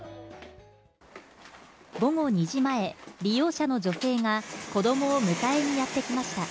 午後２時前、利用者の女性が、子どもを迎えにやって来ました。